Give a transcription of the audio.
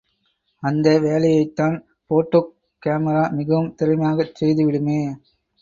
அந்த வேலையைத்தான் போட்டோக் காமிரா மிகவும் திறமையாகச் செய்து விடுமே.